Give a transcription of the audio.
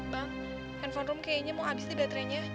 bang handphone rum kayaknya mau habis deh baterainya